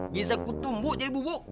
bisa kutumbuk jadi bubuk